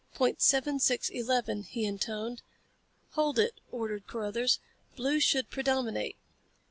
"Point seven six eleven," he intoned. "Hold it," ordered Carruthers. "Blue should predominate."